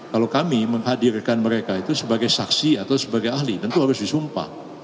kalau kami menghadirkan mereka itu sebagai saksi atau sebagai ahli tentu harus disumpah